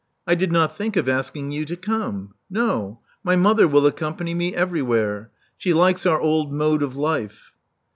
I did not think of asking you to come. No. My mother will accompany me every where. She likes our old mode of life.